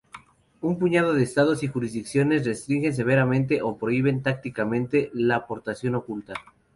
Un puñado de estados y jurisdicciones restringen severamente o prohíben tácitamente la portación oculta.